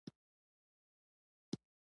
زغم او صبر د بریالیتوب کونجۍ ده.